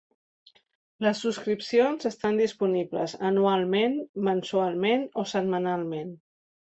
Les subscripcions estan disponibles anualment, mensualment o setmanalment.